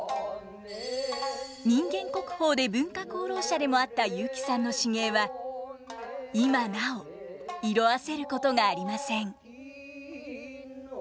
人間国宝で文化功労者でもあった雄輝さんの至芸は今なお色あせることがありません。